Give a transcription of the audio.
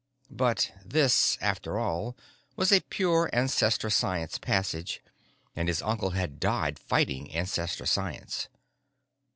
_" But this, after all, was a pure Ancestor science passage; and his uncle had died fighting Ancestor science.